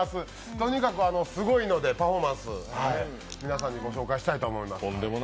とにかくすごいので、パフォーマンス、皆さんにご紹介したいと思います。